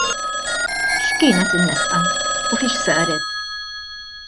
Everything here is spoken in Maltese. X'kienet in-nefqa u fiex saret?